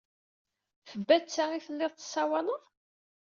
F batta i tellid tessawaled?